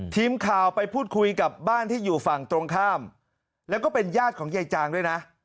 ทีมข่าวไปพูดคุยกับบ้านที่อยู่ฝั่งตรงข้ามแล้วก็เป็นญาติของยายจางด้วยนะ